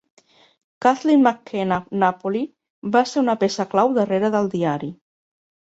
Kathleen McKenna-Napoli va ser una peça clau darrere del diari.